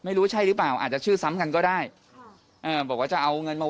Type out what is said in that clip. โอ้โฮจับจับ